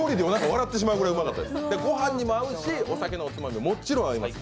御飯にも合うしお酒のおつまみにももちろん合います。